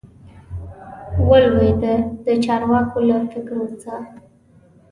وه لوېدلي د چارواکو له فکرو سه